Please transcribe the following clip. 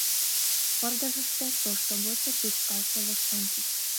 Пырдыжыште — тошто годсо печкалтше воштончыш.